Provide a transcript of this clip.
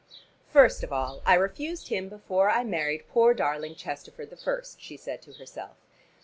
"First of all I refused him before I married poor darling Chesterford the first," she said to herself.